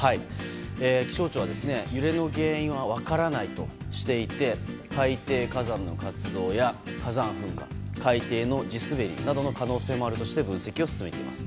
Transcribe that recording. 気象庁は揺れの原因は分からないとしていて海底火山の活動や火山噴火、海底の地滑りなどの可能性もあるとして分析を進めています。